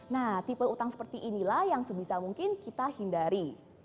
nah tipe utang seperti inilah yang sebisa mungkin kita hindari